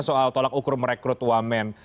soal tolak ukur merekrut wamen